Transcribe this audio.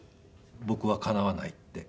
僕は敵わない」って。